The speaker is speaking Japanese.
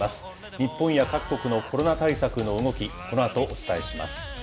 日本や各国のコロナ対策の動き、このあとお伝えします。